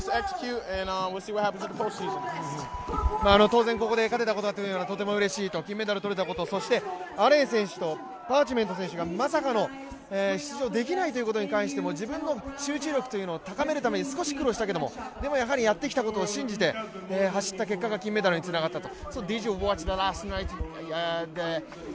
当然ここで勝てたことは、うれしいと金メダル取れたこと、そしてアレン選手と、パーチメント選手がまさかの出場できないということに関しても自分の集中力を高めるために苦労したけれどもでもやはりやってきたことを信じて走った結果が金メダルにつながったと。